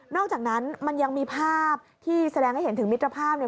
อกจากนั้นมันยังมีภาพที่แสดงให้เห็นถึงมิตรภาพเนี่ย